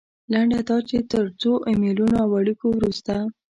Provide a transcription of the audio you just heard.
لنډه دا چې تر څو ایمیلونو او اړیکو وروسته.